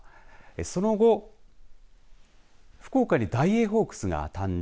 その後福岡にダイエーホークスが誕生。